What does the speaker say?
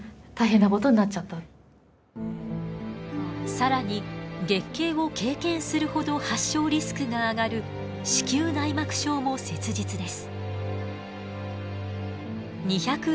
更に月経を経験するほど発症リスクが上がる子宮内膜症も切実です。